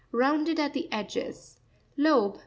—Rounded at the edges. Loze.